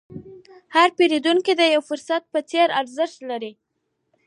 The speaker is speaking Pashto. هر پیرودونکی د یو فرصت په څېر ارزښت لري.